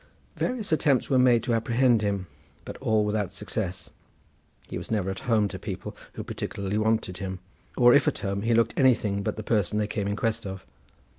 Various attempts were made to apprehend him, but all without success; he was never at home to people who particularly wanted him, or if at home he looked anything but the person they came in quest of.